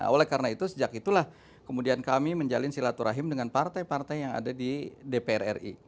oleh karena itu sejak itulah kemudian kami menjalin silaturahim dengan partai partai yang ada di dpr ri